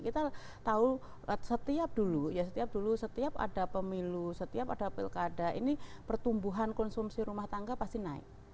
kita tahu setiap dulu ya setiap dulu setiap ada pemilu setiap ada pilkada ini pertumbuhan konsumsi rumah tangga pasti naik